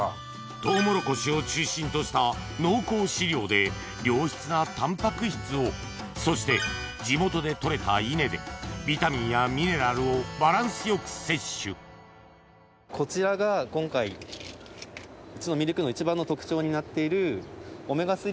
トウモロコシを中心とした農耕飼料で良質なタンパク質をそして地元で取れた稲でビタミンやミネラルをバランスよく摂取こちらが今回うちのミルクの一番の特徴になっている。